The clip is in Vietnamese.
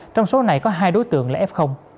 trong số này có hai đối tượng là f